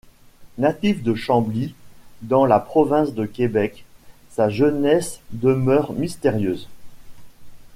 Natif de Chambly, dans la province de Québec, sa jeunesse demeure mystérieuse.